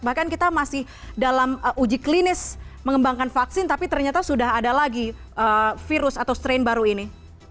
bahkan kita masih dalam uji klinis mengembangkan vaksin tapi ternyata sudah ada lagi virus atau strain baru ini